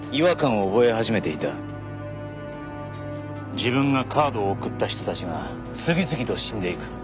自分がカードを送った人たちが次々と死んでいく。